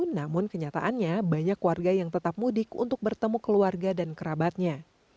namun kenyataannya banyak warga yang tetap mudik untuk bertemu keluarga dan kerabatnya